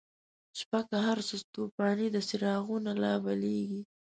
شپه که هرڅه توفانیده، څراغونه لابلیږی